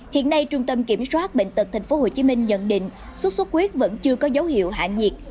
hiện nay trung tâm kiểm soát bệnh tật tp hcm nhận định sốt xuất huyết vẫn chưa có dấu hiệu hạ nhiệt